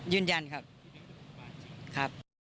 ยืนยันครับ